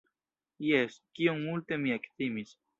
Jes, kiom multe mi ektimis!